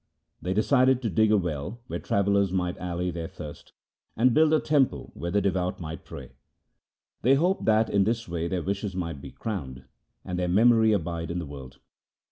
They decided to dig a well where travellers might allay their thirst, and build a temple where the devout might pray. They hoped that in this way their wishes might be crowned, and their memory abide in the world.